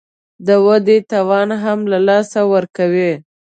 د ودې توان هم له لاسه ورکوي